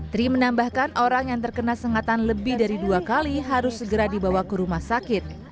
tri menambahkan orang yang terkena sengatan lebih dari dua kali harus segera dibawa ke rumah sakit